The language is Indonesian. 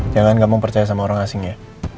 jangan gak mau percaya sama orang asing ya